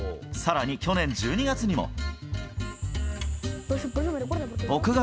更に去年１２月にも。